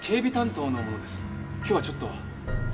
今日はちょっと。